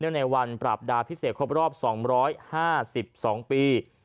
ในวันปราบดาพิเศษครบรอบ๒๕๒ปี